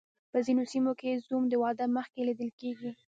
په ځینو سیمو کې زوم د واده مخکې لیدل کیږي.